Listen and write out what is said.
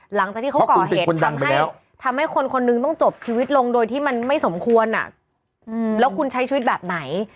หลังจากที่เขาก่อเหตุทำให้ทำให้คนคนนึงต้องจบชีวิตลงโดยที่มันไม่สมควรแล้วคุณใช้ชีวิตแบบไหน